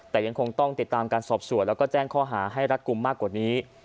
แต่ยังคงต้องติดตามการสอบสวนแล้วก็แจ้งข้อหาให้รัฐกลุ่มมากกว่านี้